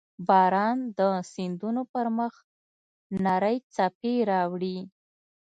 • باران د سیندونو پر مخ نرۍ څپې راوړي.